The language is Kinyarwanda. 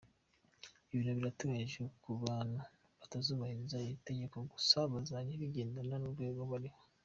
Ibihano birateganyijwe ku bantu batazubahiriza iri tegeko, gusa bizajya bigendana n’urwego bariho.